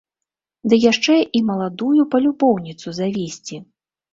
Ды яшчэ і маладую палюбоўніцу завесці.